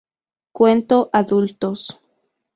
Cuento adultos.